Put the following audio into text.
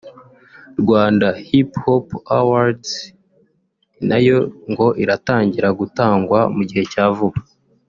Rwanda Hip Hop Awardz nayo ngo iratangira gutangwa mu gihe cya vuba